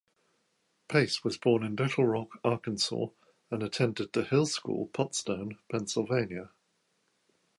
Pace was born in Little Rock, Arkansas, and attended The Hill School, Pottstown, Pennsylvania.